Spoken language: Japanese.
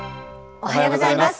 おはようございます。